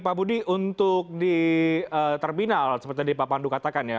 pak budi untuk di terminal seperti tadi pak pandu katakan ya